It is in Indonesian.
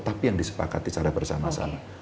tapi yang disepakati secara bersama sama